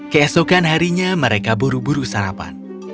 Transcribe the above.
keesokan harinya mereka buru buru sarapan